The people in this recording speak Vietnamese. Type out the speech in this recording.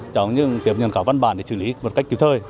trong những tiệm nhận khảo văn bản để xử lý một cách trực thời